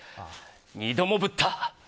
２度もぶった！